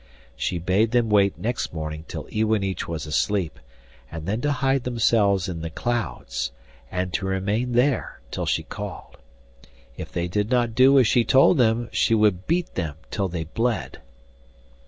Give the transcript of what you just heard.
She bade them wait next morning till Iwanich was asleep and then to hide themselves in the clouds, and to remain there till she called. If they did not do as she told them she would beat them till they bled.